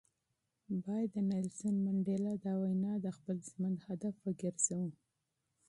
باید د منډېلا دا وینا د خپل ژوند شعار وګرځوو.